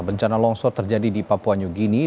bencana longsor terjadi di papua new guinea